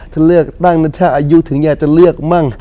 ถ้าเลือกตั้งนะถ้าอายุถึงอยากจะเลือกมั่ง